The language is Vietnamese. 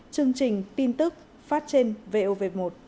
chương trình tin tức phát trên vov một